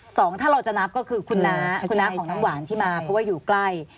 สองถ้าเราจะนับก็คือคุณน้าคุณน้าของน้ำหวานที่มาเพราะว่าอยู่ใกล้